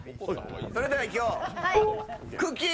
それでは、くっきー！